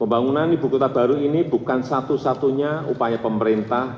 pembangunan ibu kota baru ini bukan satu satunya upaya pemerintah